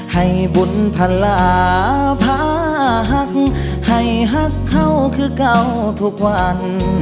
ให้บุญพลาพาหักให้หักเข้าคือเก่าทุกวัน